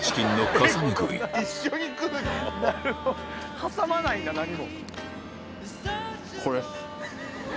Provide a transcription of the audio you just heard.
挟まないんだ何も。